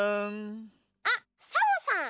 あっサボさん。